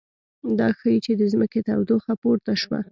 دا ښيي چې د ځمکې تودوخه پورته شوه